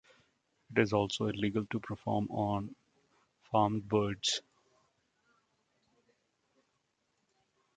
It is also illegal to perform on farmed birds.